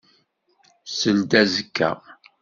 Seld azekka.